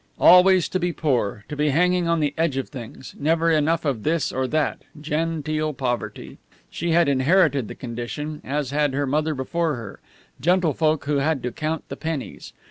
Always to be poor, to be hanging on the edge of things, never enough of this or that genteel poverty. She had inherited the condition, as had her mother before her gentlefolk who had to count the pennies.